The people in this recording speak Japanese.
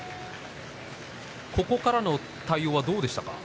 ここからの対応はどうでしたか？